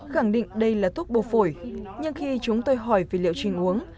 khẳng định đây là thuốc bồ phổi nhưng khi chúng tôi hỏi vì liệu trình uống